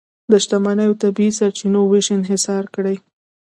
د شتمنۍ او طبیعي سرچینو وېش انحصار کړي.